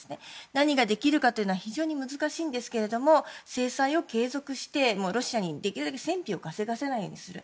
何ができるかというのは非常に難しいんですけれども制裁を継続してロシアにできるだけ戦費を稼がせないようにする。